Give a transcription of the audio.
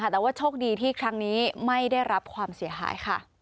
แต่ว่าโชคดีที่ครั้งนี้ไม่ได้รับความเสียหายค่ะ